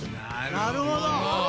なるほど。